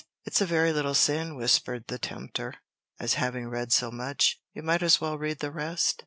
"It's a very little sin," whispered the tempter; "as having read so much, you might as well read the rest."